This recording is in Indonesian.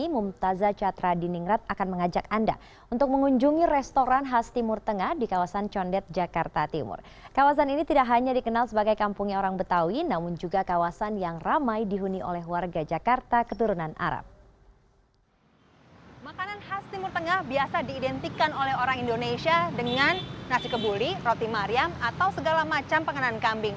makanan khas timur tengah biasa diidentikan oleh orang indonesia dengan nasi kebuli roti mariam atau segala macam penganan kambing